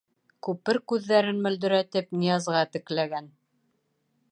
Күпер күҙҙәрен мөлдөрәтеп Ниязға текләгән.